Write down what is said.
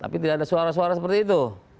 tapi tidak ada suara suara seperti itu